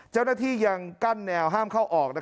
เจ้าหน้าที่ยังกั้นแนวห้ามเข้าออก